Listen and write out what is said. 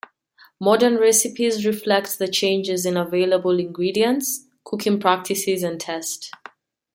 Modern recipes reflect the changes in available ingredients, cooking practices, and taste.